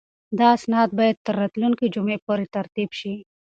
دا اسناد باید تر راتلونکې جمعې پورې ترتیب شي.